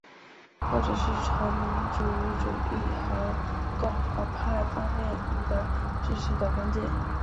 后者是从民族主义和共和派方面赢得支持的关键。